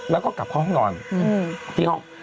แล้วก็กลับเข้าห้องนอน